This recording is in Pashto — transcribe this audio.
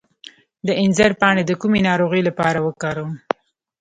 د انځر پاڼې د کومې ناروغۍ لپاره وکاروم؟